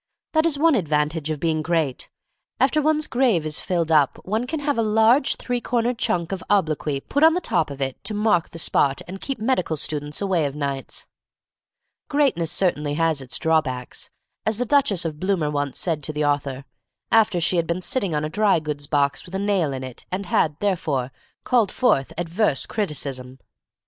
That is one advantage of being great. After one's grave is filled up, one can have a large three cornered chunk of obloquy put on the top of it to mark the spot and keep medical students away of nights. Greatness certainly has its drawbacks, as the Duchess of Bloomer once said to the author, after she had been sitting on a dry goods box with a nail in it, and had, therefore, called forth adverse criticism.